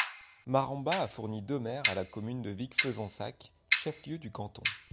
Marambat a fourni deux maires à la commune de Vic-Fezensac, chef-lieu du canton.